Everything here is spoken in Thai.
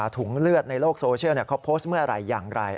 ถุงเลือดในโลกโซเชียลเขาโพสต์เมื่อไหร่อย่างไร